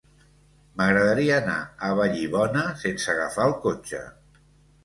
M'agradaria anar a Vallibona sense agafar el cotxe.